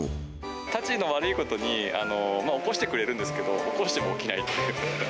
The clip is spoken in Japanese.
たちの悪いことに、起こしてくれるんですけど、起こしても起きないっていう。